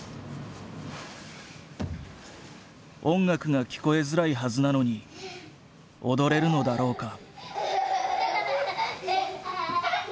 音楽が聞こえづらいはずなのに踊れるのだろうか？